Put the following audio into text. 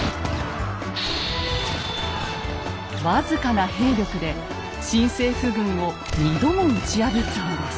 僅かな兵力で新政府軍を２度も打ち破ったのです。